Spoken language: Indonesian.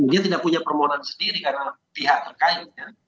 dia tidak punya permohonan sendiri karena pihak terkait